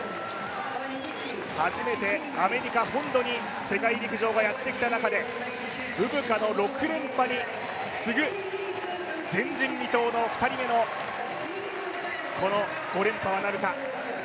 初めてアメリカ本土に世界陸上がやってきた中でブブカの６連覇に次ぐ、前人未到の２人目の５連覇はなるか。